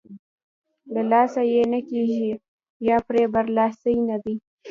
له لاسه یې نه کېږي یا پرې برلاسۍ نه دی.